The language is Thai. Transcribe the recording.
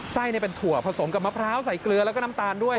ไส้เป็นถั่วผสมกับมะพร้าวใส่เกลือแล้วก็น้ำตาลด้วย